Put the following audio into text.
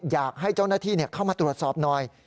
อยากให้เจ้าหน้าที่เข้ามาตรวจสอบหน่อย